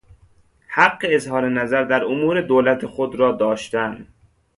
حق اظهار نظر در امور دولت خود را داشتن